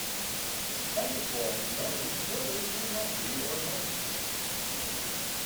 Santa Claus knows whether you're naughty or nice.